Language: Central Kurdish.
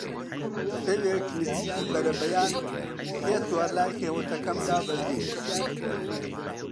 شەوێک نزیکی بەربەیان سێ سوار لای خێوەتەکەم دابەزین